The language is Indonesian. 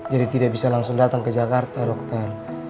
jadi tidak bisa langsung datang ke jakarta dokter